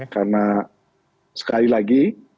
karena sekali lagi